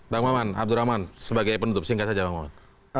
bang maman abdurrahman sebagai penutup singkat saja bang maman